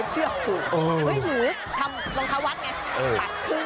เฮ้ยหนูทำรองเท้าวัดไง